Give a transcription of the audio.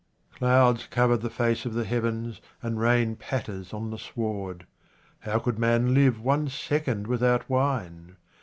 Clouds cover the face of the heavens, and rain patters on the sward. How could man live one second without wine